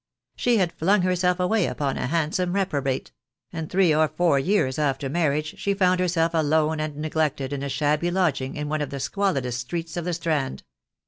She had flung herself away upon a handsome reprobate; and three or four years after marriage she found herself alone and neglected in a shabby lodging in one of the squalidest streets off the Strand.